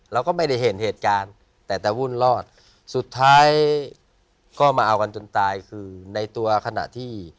เราก็ไม่ได้เห็นเหตุการณ์แต่จะวุ่นรอดสุดท้ายก็มาเอากันจนตายคือในตัวขณะที่